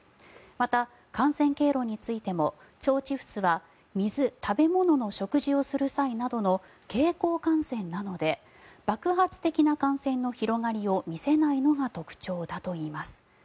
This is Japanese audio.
また感染経路についても腸チフスは水、食べ物の食事をする際などの経口感染なので爆発的な感染の広がりを見せないのが特徴だといいます。